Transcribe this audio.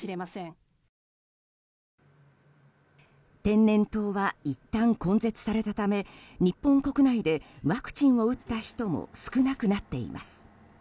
天然痘はいったん根絶されたため日本国内でワクチンを打った人も少なくなっています。